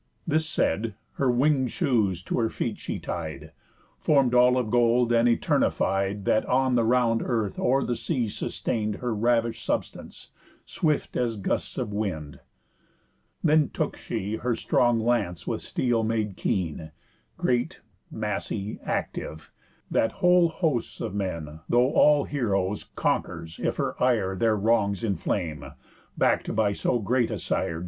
This said, her wing'd shoes to her feet she tied, Form'd all of gold, and all eternified, That on the round earth or the sea sustain'd Her ravish'd substance swift as gusts of wind. Then took she her strong lance with steel made keen, Great, massy, active, that whole hosts of men, Though all heroës, conquers, if her ire Their wrongs inflame, back'd by so great a Sire.